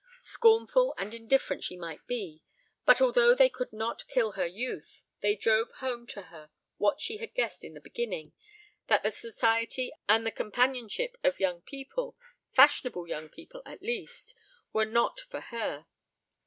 Scornful and indifferent she might be, but although they could not kill her youth, they drove home to her what she had guessed in the beginning, that the society and the companionship of young people fashionable young people, at least were not for her.